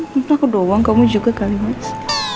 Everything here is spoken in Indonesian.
hmm takut doang kamu juga kali mas